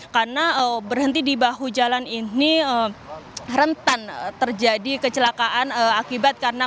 karena berhenti di bahu jalan ini rentan terjadi kecelakaan akibat karena